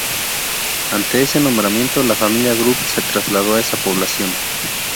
Ante este nombramiento, la familia Groot se trasladó a esa población.